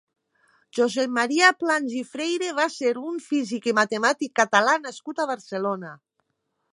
Josep Maria Plans i Freyre va ser un físic i matemàtic catalá nascut a Barcelona.